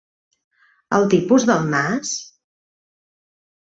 El tipus del nas?